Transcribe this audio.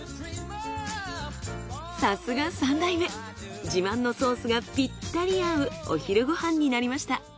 さすが三代目自慢のソースがぴったり合うお昼ご飯になりました。